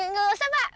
nggak usah pak